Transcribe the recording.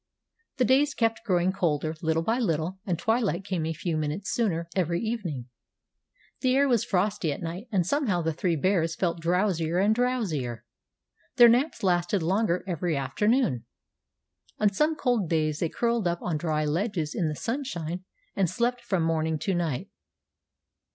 The days kept growing colder little by little, and twilight came a few minutes sooner every evening. The air was frosty at night, and somehow the three bears felt drowsier and drowsier. Their naps lasted longer every afternoon. On some cold days they curled up on dry ledges in the sunshine and slept from morning to night.